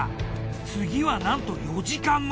次はなんと４時間後。